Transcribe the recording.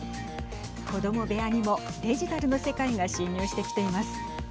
子ども部屋にもデジタルの世界が侵入してきています。